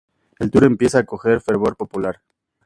El Tour empieza a coger fervor popular.